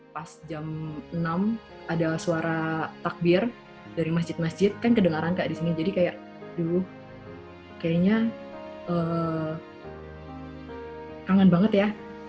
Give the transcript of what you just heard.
pas jam enam ada suara takbir dari masjid masjid kan kedengaran kayak di sini jadi kayak dulu kayaknya kangen banget ya